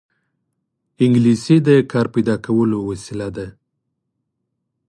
انګلیسي د کار پیدا کولو وسیله ده